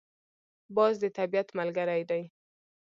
باز د طبیعت ملګری دی